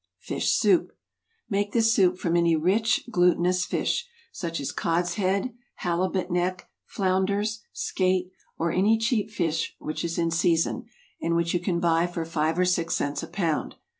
=Fish Soup.= Make this soup from any rich, glutinous fish, such as cod's head, halibut neck, flounders, skate, or any cheap fish which is in season, and which you can buy for five or six cents a pound.